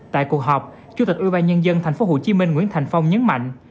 tại cuộc họp chủ tịch ủy ban nhân dân tp hcm nguyễn thành phong nhấn mạnh